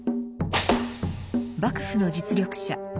幕府の実力者